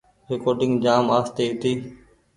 ريڪوڊنگ جآم آستي هيتي۔